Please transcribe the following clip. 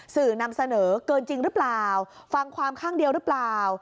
สื่อนำเสนอเกินจริงหรือเปล่าฟังความข้างเดียวหรือเปล่า